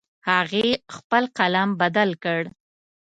هغې خپل قلم بدل کړ